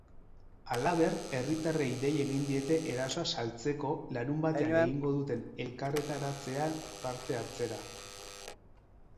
Halaber, herritarrei dei egin diete erasoa saltzeko larunbatean egingo duten elkarretaratzea parte-hartzera.